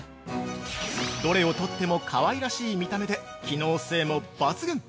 ◆どれをとってもかわいらしい見た目で、機能性も抜群！